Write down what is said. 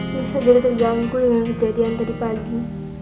nisa jadi terjangkul dengan kejadian tadi pagi